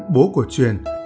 bố của truyền